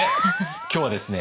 今日はですね